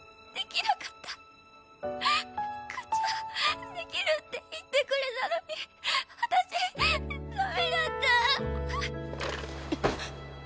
課長できるって言ってくれたのに私ダメだった。